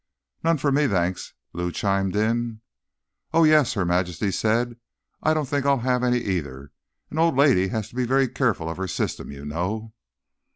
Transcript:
"None for me, thanks," Lou chimed in. "Oh, yes," Her Majesty said. "I don't think I'll have any either. An old lady has to be very careful of her system, you know."